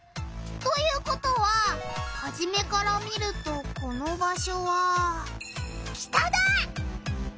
ということはハジメから見るとこの場しょは北だ！